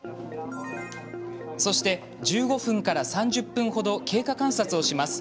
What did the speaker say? そして、１５分から３０分ほど経過観察をします。